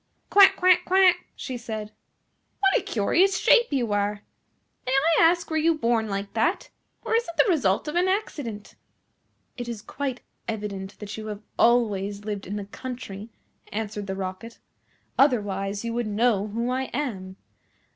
"Quack, quack, quack," she said. "What a curious shape you are! May I ask were you born like that, or is it the result of an accident?" "It is quite evident that you have always lived in the country," answered the Rocket, "otherwise you would know who I am.